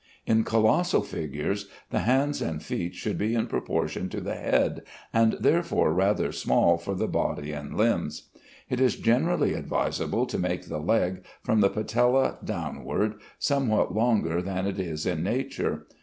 In colossal figures, the hands and feet should be in proportion to the head, and therefore rather small for the body and limbs. It is generally advisable to make the leg, from the patella downward, somewhat longer than it is in nature.